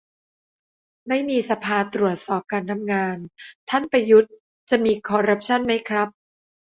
ไม่มีสภาตรวจสอบการทำงานท่านประยุทธ์ จะมีคอรัปชั่นไหมครับ